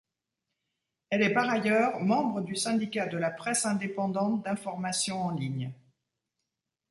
Elle est par ailleurs membre du syndicat de la presse indépendante d'information en ligne.